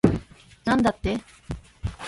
なんだって